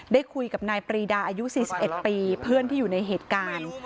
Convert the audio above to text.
ได้คุยกับนายปรีดาอายุ๔๑ปีเพื่อนที่อยู่ในเหตุการณ์